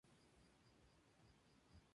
A la tercera trata de responder la religión.